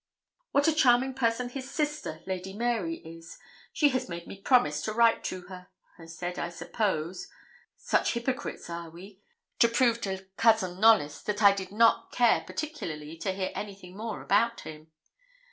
'What a charming person his sister, Lady Mary, is. She has made me promise to write to her,' I said, I suppose such hypocrites are we to prove to Cousin Knollys that I did not care particularly to hear anything more about him.